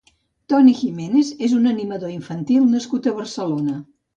Toni Giménez és un animador infantil nascut a Barcelona.